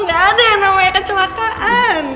gak ada yang namanya kecelakaan